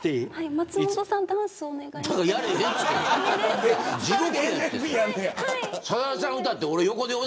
松本さん、ダンスお願いしても。